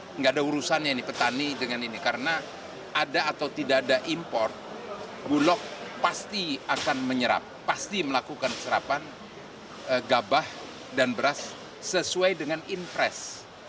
tidak ada urusannya ini petani dengan ini karena ada atau tidak ada impor bulog pasti akan menyerap pasti melakukan serapan gabah dan beras sesuai dengan infres